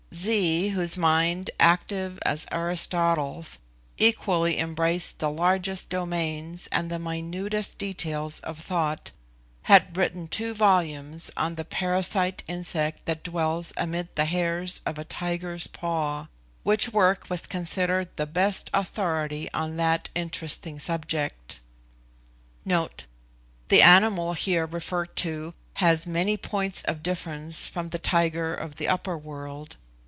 Zee, whose mind, active as Aristotle's, equally embraced the largest domains and the minutest details of thought, had written two volumes on the parasite insect that dwells amid the hairs of a tiger's* paw, which work was considered the best authority on that interesting subject. * The animal here referred to has many points of difference from the tiger of the upper world.